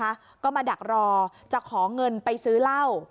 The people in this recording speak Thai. เมาแล้วไงคะก็มาดักรอจะขอเงินไปซื้อเล่า